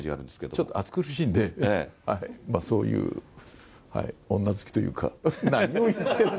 ちょっと暑苦しいんで、そういう、女好きというか。